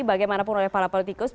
bagaimanapun oleh para politikus